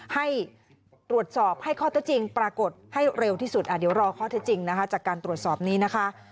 ให้ตรวจสอบให้ข้อเท็จจริงปรากฏให้เร็วที่สุดเดี๋ยวรอข้อเท็จจริงนะคะจากการตรวจสอบนี้นะคะ